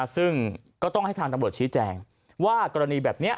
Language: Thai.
ซึ่งก็ต้องให้ทางตำรวจชี้แจงว่ากรณีแบบนี้